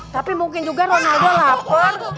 tapi mungkin juga renaga lapar